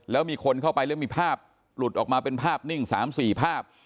แล้วมีคนเข้าไปแล้วมีภาพหลุดออกมาเป็นภาพนิ่ง๓๔ภาพ